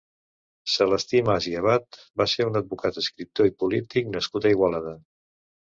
Celestí Mas i Abat va ser un advocat, escriptor i polític nascut a Igualada.